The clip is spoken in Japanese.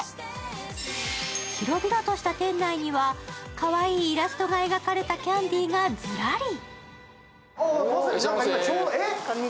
広々とした店内には、かわいいイラストが描かれたキャンディーがズラリ。